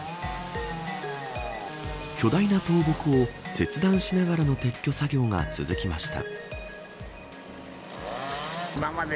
巨大な倒木を切断しながらの撤去作業が続きました。